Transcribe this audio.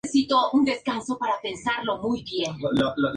La popularidad del Festival creció rápidamente.